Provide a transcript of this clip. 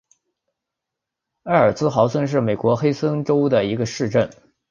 埃尔茨豪森是德国黑森州的一个市镇。